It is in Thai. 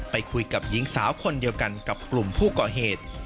ไปคุยกับหญิงสาวคนเดียวกันกับกลุ่มผู้ก่อเหตุ